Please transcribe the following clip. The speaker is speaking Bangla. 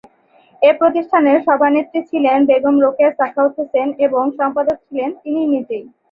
এ প্রতিষ্ঠানের সভানেত্রী ছিলেন বেগম রোকেয়া সাখাওয়াত হোসেন এবং সম্পাদক ছিলেন তিনি নিজেই।